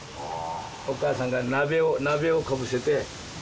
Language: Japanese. お母さんが鍋をかぶせて。